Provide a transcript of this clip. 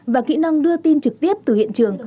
và kỹ năng đưa tin trực tiếp từ hiện trường